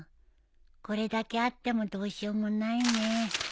これだけあってもどうしようもないね。